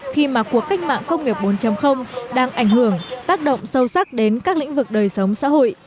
khi mà cuộc cách mạng công nghiệp bốn đang ảnh hưởng tác động sâu sắc đến các lĩnh vực đời sống xã hội